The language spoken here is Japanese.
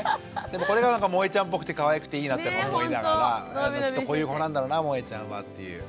でもこれがもえちゃんっぽくてかわいくていいなって思いながらきっとこういう子なんだろうなもえちゃんはっていう。